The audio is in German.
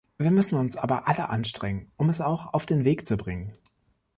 Wir müssen uns aber alle anstrengen, um es auch auf den Weg zu bringen.